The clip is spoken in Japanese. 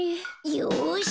よし。